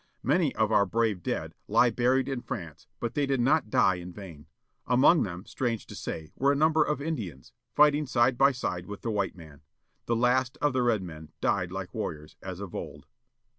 Many of our brave dead lie buried in France, but they did not die in vain. Among them, strange to say, were a number of Indians, fighting side by side with the white man. The last of the red men died like warriors, as of old.